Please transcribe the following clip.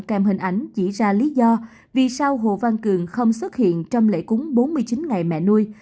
kèm hình ảnh chỉ ra lý do vì sao hồ văn cường không xuất hiện trong lễ cúng bốn mươi chín ngày mẹ nuôi